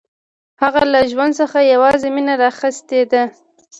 هغه له ژوند څخه یوازې مینه راخیستې ده